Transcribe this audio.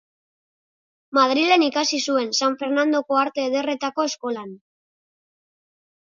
Madrilen ikasi zuen, San Fernandoko Arte Ederretako Eskolan.